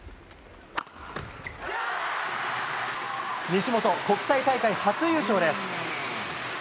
西本、国際大会初優勝です。